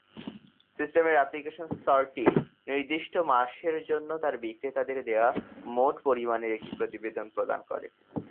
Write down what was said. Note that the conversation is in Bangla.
সিস্টেমের অ্যাপ্লিকেশন স্তরটি নির্দিষ্ট মাসের জন্য তার বিক্রেতাদের দেওয়া মোট পরিমাণের একটি প্রতিবেদন প্রদান করে।